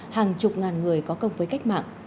hàng chục ngàn người có công với cách mạng